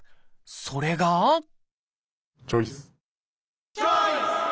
それがチョイス！